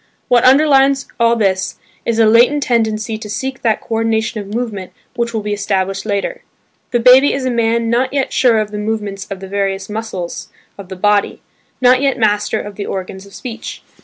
What underlies all this is a latent tendency to seek that coordination of movement which will be established later. The baby is a man not yet sure of the movements of the various muscles of the body; not yet master of the organs of speech.